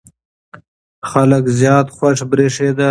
خلک زیات خوښ برېښېدل.